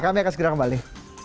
kami akan segera kembali